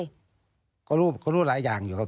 ฉันรู้ก็รู้หลายอย่างอยู่ครับ